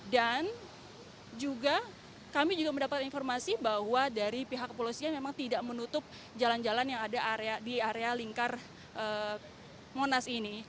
dan juga kami juga mendapatkan informasi bahwa dari pihak kepolisian memang tidak menutup jalan jalan yang ada di area lingkar monas ini